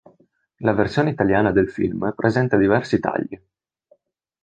La versione italiana del film presenta diversi tagli.